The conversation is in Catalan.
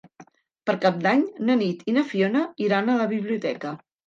Per Cap d'Any na Nit i na Fiona iran a la biblioteca.